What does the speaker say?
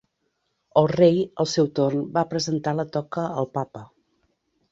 El Rei, al seu torn, va presentar la toca al Papa.